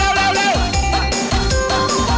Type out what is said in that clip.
เร็วเร็วเร็ว